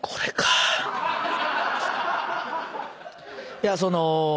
いやその。